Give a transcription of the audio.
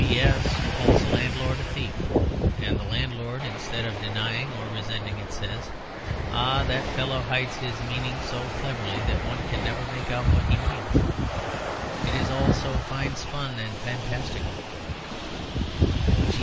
G. B. S. calls a landlord a thief; and the landlord, instead of denying or resenting it, says, "Ah, that fellow hides his meaning so cleverly that one can never make out what he means, it is all so fine spun and fantastical."